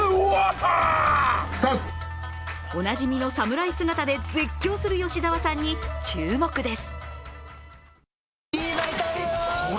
おなじみの侍姿で絶叫する吉沢さんに注目です。